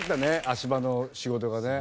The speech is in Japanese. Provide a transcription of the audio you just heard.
足場の仕事がね。